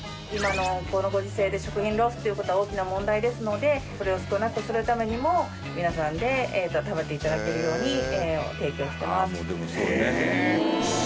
今のこのご時世で食品ロスっていう事は大きな問題ですのでこれを少なくするためにも皆さんで食べて頂けるように提供してます。